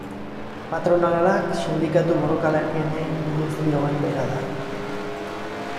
Patronalak sindikatu borrokalarienei buruz dioen bera da.